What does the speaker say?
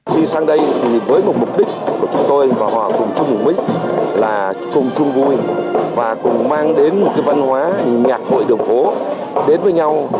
khi sang đây thì với một mục đích của chúng tôi và họ cùng chung với là cùng chung vui và cùng mang đến một cái văn hóa nhạc hội đường phố đến với nhau